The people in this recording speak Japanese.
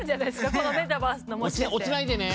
このメタバースの。落ちないでね。